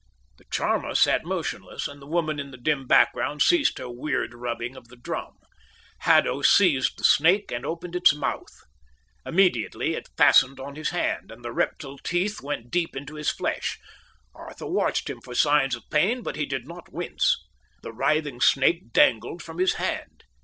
The charmer sat motionless, and the woman in the dim background ceased her weird rubbing of the drum. Haddo seized the snake and opened its mouth. Immediately it fastened on his hand, and the reptile teeth went deep into his flesh. Arthur watched him for signs of pain, but he did not wince. The writhing snake dangled from his hand.